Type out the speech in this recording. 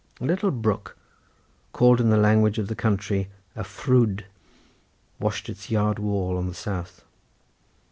A little brook, called in the language of the country a frwd, washes its yard wall on the south.